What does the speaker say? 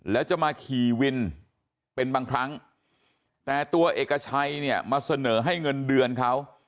แล้วจะมาขี่วินเป็นบางครั้งแต่ตัวเอกชัยเนี่ยมาเสนอให้เงินเดือนเขา